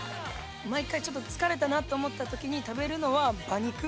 毎回ちょっと疲れたなと思ったときに食べるのは馬肉。